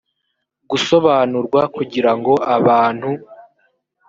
gusobanurwa kugira ngo abantu